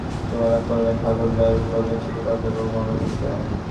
ইন্টারনেটকে খোলা জানালার সঙ্গে তুলনা করলেন ঠাকুরগাঁওয়ের প্রবীণ শিক্ষক অধ্যাপক মনতোষ কুমার।